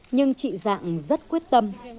nhưng chị giạng rất quyết tâm